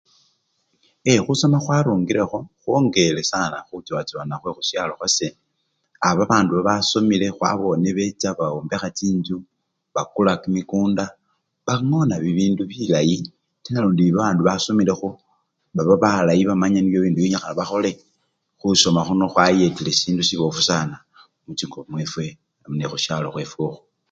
E! khusoma khwarungilekho khwongele khuchowa chowana khwe khusyalo khwase, a! babandu basomile khwabone becha bombekha chinjju, bakula kimikunda bangona bibindu bili bilayi tenalundi babandu basomilekho baba balayi bamanyile bibindu nibyo benyikhana bakhole, khusoma khuni khwayetile sindi sibofu sana muchingo chefwe nekhusyalo khwefwe okhukhu.